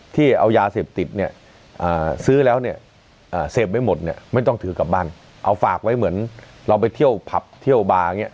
ที่เอายาเสพติดเนี่ยซื้อแล้วเนี่ยเสพไม่หมดเนี่ยไม่ต้องถือกลับบ้านเอาฝากไว้เหมือนเราไปเที่ยวผับเที่ยวบาร์อย่างนี้